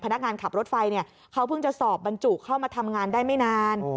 พนักงานขับรถไฟเขาเพิ่งจะสอบบรรจุเข้ามาทำงานได้ไม่นาน